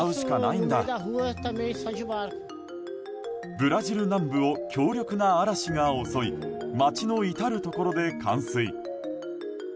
ブラジル南部を強力な嵐が襲い街の至るところで冠水。